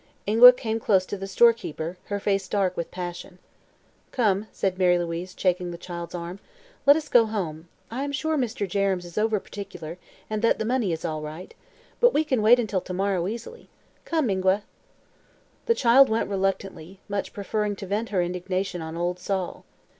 Ingua came close to the storekeeper, her face dark with passion. "Come," said Mary Louise, taking the child's arm, "let us go home. I am sure Mr. Jerrems is over particular and that the money is all right. But we can wait until to morrow, easily. Come, Ingua." The child went reluctantly, much preferring to vent her indignation on old Sol.